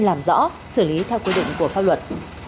làm rõ xử lý theo quy định của pháp luật